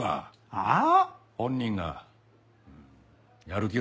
はあ。